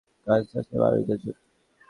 কানসাসের মানুষদের জন্য।